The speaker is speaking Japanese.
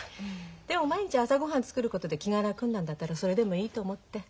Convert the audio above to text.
でも毎日朝ごはん作ることで気が楽になるんだったらそれでもいいと思って。